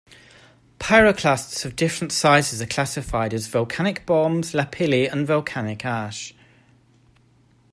Pyroclasts of different sizes are classified as volcanic bombs, lapilli, and volcanic ash.